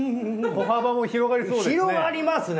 歩幅も広がりそうですね。